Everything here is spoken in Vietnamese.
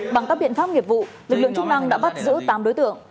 bằng các biện pháp nghiệp vụ lực lượng chức năng đã bắt giữ tám đối tượng